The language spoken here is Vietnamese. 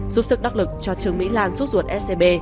giúp sức đắc lực cho trương mỹ lan rút ruột scb